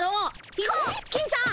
行こう金ちゃん。